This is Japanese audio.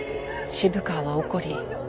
渋川は怒り